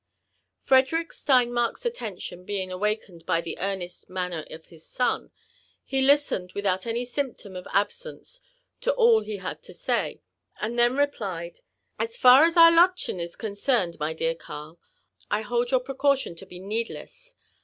Frederick Steinmark's attention being awakened by the earnest manner of his son, he listened without any symptom of abseqce to all he had to say, and then replied :•* A8 far as our Lottchen is concerned, my dear Earl, I hold your precaution to be needless.